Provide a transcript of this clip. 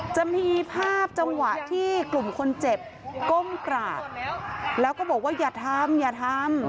จะมีภาพจังหวะที่กลุ่มคนเจ็บก้มกราบแล้วก็บอกว่าอย่าทำอย่าทำ